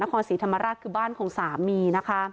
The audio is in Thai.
จังหวัดนครศรีธรรมราชคือบ้านของสามี